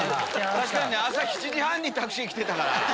確かに朝７時半にタクシー来てたから。